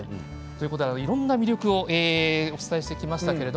いろんな魅力をお伝えしてきました。